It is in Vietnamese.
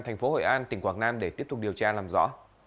thành phố hội an tỉnh quảng nam để tiếp tục điều tra làm rõ